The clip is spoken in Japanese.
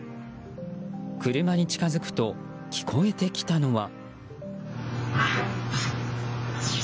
車に近づくと聞こえてきたのは。